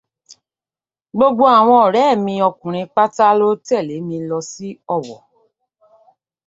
Gbogbo àwọn ọ̀rẹ́mi ọkùnrin pátá ló tẹ̀lé mi lọ sí Ọ̀wọ̀.